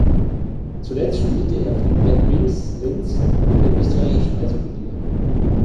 Zuletzt spielte er für die Black Wings Linz in der österreichischen Eishockey-Liga.